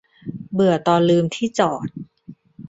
"เบื่อตอนลืมที่จอด"